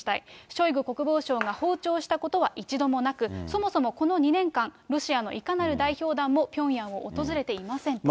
ショイグ国防相が訪朝したことは一度もなく、そもそもこの２年間、ロシアのいかなる代表団もピョンヤンを訪れていませんと。